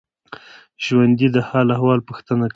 ژوندي د حال احوال پوښتنه کوي